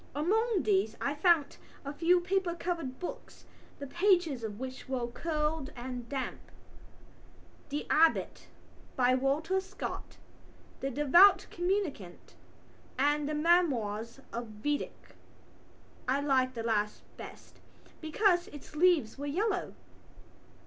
Among these I found a few paper covered books, the pages of which were curled and damp: The Abbot, by Walter Scott, The Devout Communicant and The Memoirs of Vidocq. I liked the last best because its leaves were yellow.